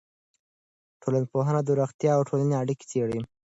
ټولنپوهنه د روغتیا او ټولنې اړیکه څېړي.